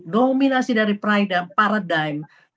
dominasi dari pride dan paradigm